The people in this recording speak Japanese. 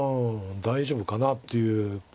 大丈夫かなっていう。